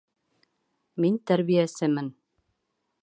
Мин тәрбиәсемен